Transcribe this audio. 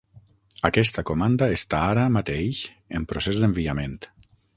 Aquesta comanda està ara mateix en procés d'enviament.